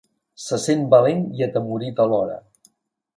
Se sent valent i atemorit alhora.